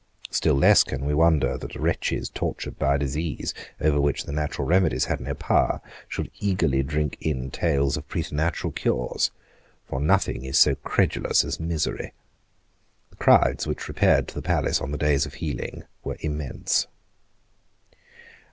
Still less can we wonder that wretches tortured by a disease over which natural remedies had no power should eagerly drink in tales of preternatural cures: for nothing is so credulous as misery. The crowds which repaired to the palace on the days of healing were immense.